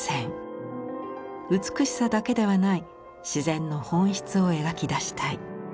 美しさだけではない自然の本質を描き出したい。